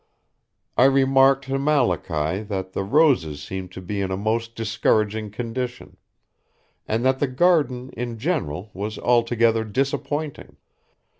I remarked to Malachy that the roses seemed to be in a most discouraging condition, and that the garden in general was altogether disappointing.